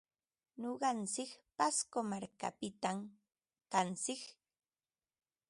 Nuqantsik pasco markapitam kantsik.